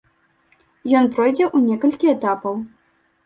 Ён пройдзе ў некалькі этапаў.